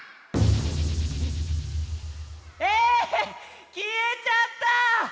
えきえちゃった！